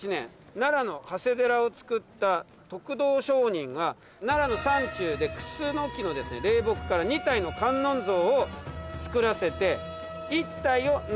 奈良の長谷寺を造った徳道上人が奈良の山中でクスノキの霊木から２体の観音像を造らせて。